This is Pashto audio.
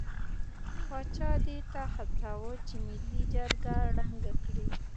پاچا دې ته هڅاوه چې ملي جرګه ړنګه کړي.